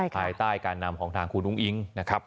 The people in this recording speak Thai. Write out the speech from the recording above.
ภายใต้การนำของทางคุณอุ้งอิ๊งนะครับ